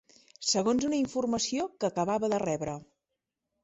...segons una informació que acabava de rebre